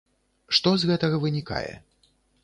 Што з гэтага вынікае?